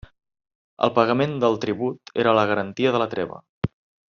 El pagament del tribut era la garantia de la treva.